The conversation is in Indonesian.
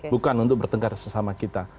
bukan untuk bertengkar sesama kita